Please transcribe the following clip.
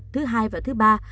thứ hai và thứ ba